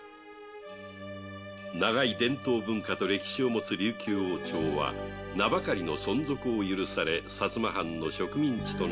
長い伝統文化と歴史を持つ琉球王朝は名ばかりの存続を許され薩摩藩の植民地となったのである